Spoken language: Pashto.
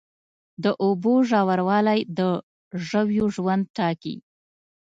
د اوبو ژوروالی د ژویو ژوند ټاکي.